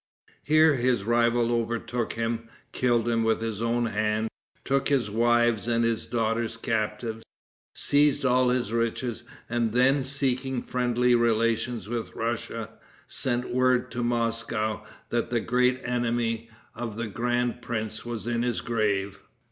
Here his rival overtook him, killed him with his own hand, took his wives and his daughters captives, seized all his riches, and then, seeking friendly relations with Russia, sent word to Moscow that the great enemy of the grand prince was in his grave.